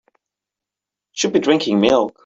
Should be drinking milk.